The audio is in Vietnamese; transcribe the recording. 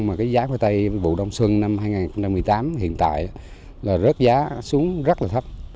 mà cái giá khoai tây vụ đông xuân năm hai nghìn một mươi tám hiện tại là rớt giá xuống rất là thấp